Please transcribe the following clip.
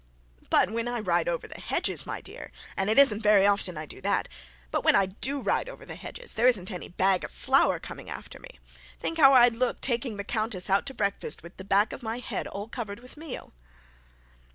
'But when I ride over the hedges, my dear and it isn't very often I do that but when I do ride over the hedges there isn't any bag of flour coming after me. Think how I'd look taking the countess out to breakfast with the back of my head all covered with meal.'